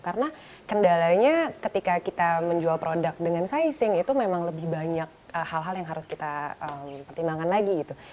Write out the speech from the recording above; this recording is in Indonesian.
karena kendalanya ketika kita menjual produk dengan sizing itu memang lebih banyak hal hal yang harus kita pertimbangan lagi gitu